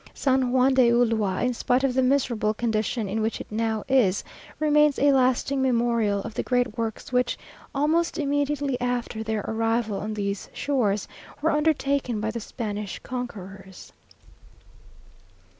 San Juan de Ulua, in spite of the miserable condition in which it now is, remains a lasting memorial of the great works which, almost immediately after their arrival on these shores, were undertaken by the Spanish conquerors.